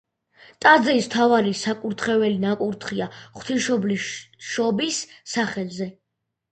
ტაძრის მთავარი საკურთხეველი ნაკურთხია ღვთისმშობლის შობის სახელზე.